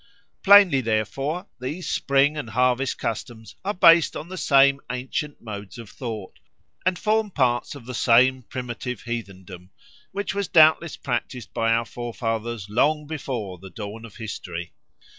Plainly, therefore, these spring and harvest customs are based on the same ancient modes of thought, and form parts of the same primitive heathendom, which was doubtless practised by our forefathers long before the dawn of history.